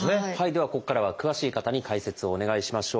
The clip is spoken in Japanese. ではここからは詳しい方に解説をお願いしましょう。